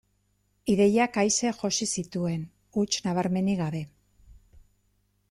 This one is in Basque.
Ideiak aise josi zituen, huts nabarmenik gabe.